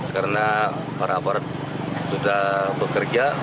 karena para abad sudah bekerja